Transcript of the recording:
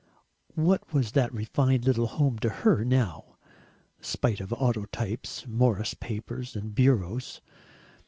What was that refined little home to her now, spite of autotypes, Morris papers, and bureaus?